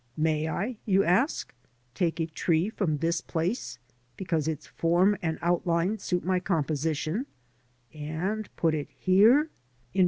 " May I," you ask, " take a tree from this place because its form and outline suit my composition, and put it here, in the place of a 1.